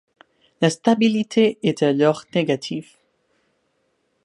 La stabilité est alors négative.